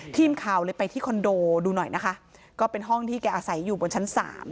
ทีมข่าวเลยไปที่คอนโดดูหน่อยนะคะก็เป็นห้องที่แกอาศัยอยู่บนชั้น๓